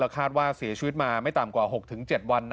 คาดว่าเสียชีวิตมาไม่ต่ำกว่า๖๗วัน